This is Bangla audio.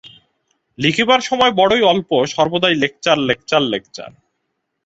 লিখিবার সময় বড়ই অল্প, সর্বদাই লেকচার, লেকচার, লেকচার।